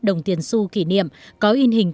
đồng tiền su kỷ niệm có in hình